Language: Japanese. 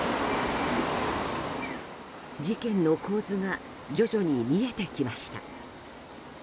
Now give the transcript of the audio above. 事件の構図が徐々に見えてきました。